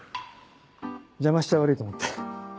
邪魔しちゃ悪いと思って。